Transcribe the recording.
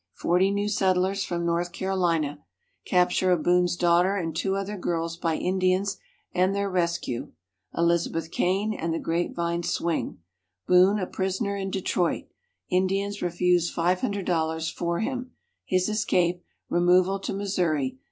Forty new settlers from North Carolina. Capture of Boone's daughter and two other girls by Indians and their rescue. Elizabeth Kane and the grapevine swing. Boone a prisoner in Detroit. Indians refuse $500 for him. His escape. Removal to Missouri.